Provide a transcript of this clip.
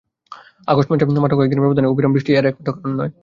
August মাসে মাত্র কয়েক দিনের ব্যবধানে অবিরাম বৃষ্টিই এর একমাত্র কারণ নয়।